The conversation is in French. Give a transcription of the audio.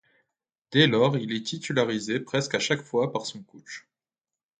Dès lors, il est titularisé presque à chaque fois par son coach.